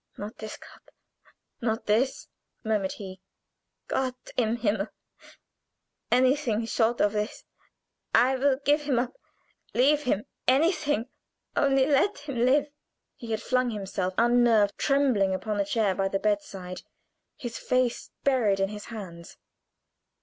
"Not this cup not this!" muttered he. "Gott im Himmel! anything short of this I will give him up leave him anything only let him live!" He had flung himself, unnerved, trembling, upon a chair by the bedside his face buried in his hands.